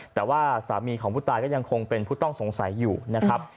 แต่ว่าสามีของผู้ตายก็ยังคงเป็นผู้ต้องสงสัยอยู่นะครับ